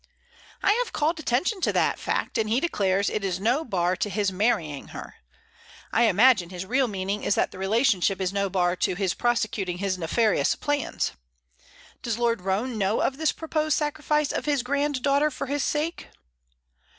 "I have called his attention to that fact, and he declares it is no bar to his marrying her. I imagine his real meaning is that the relationship is no bar to his prosecuting his nefarious plans. Does Lord Roane know of this proposed sacrifice of his granddaughter for his sake?"